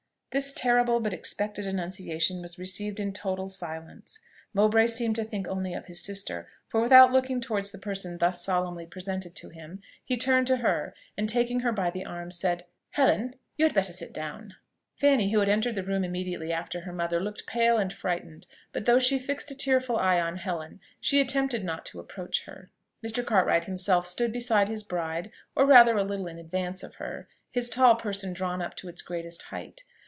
This terrible but expected annunciation was received in total silence. Mowbray seemed to think only of his sister; for without looking towards the person thus solemnly presented to him, he turned to her, and taking her by the arm, said, "Helen! you had better sit down." Fanny, who had entered the room immediately after her mother, looked pale and frightened; but though she fixed a tearful eye on Helen, she attempted not to approach her. Mr. Cartwright himself stood beside his bride, or rather a little in advance of her: his tall person drawn up to its greatest height.